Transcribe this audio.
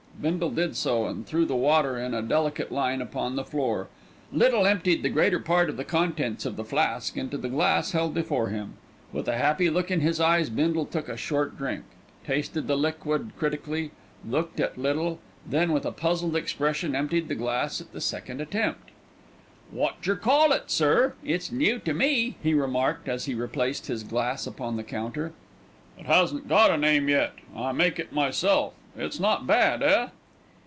Bindle did so, and threw the water in a delicate line upon the floor. Little emptied the greater part of the contents of the flask into the glass held before him. With a happy look in his eyes Bindle took a short drink, tasted the liquid critically, looked at Little, then with a puzzled expression emptied the glass at the second attempt. "Wot jer call it, sir? It's new to me," he remarked, as he replaced his glass upon the counter. "It hasn't got a name yet. I make it myself. It's not bad, eh?"